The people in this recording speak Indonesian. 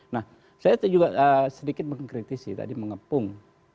nah saya juga sedikit mengkritisi tadi mengepung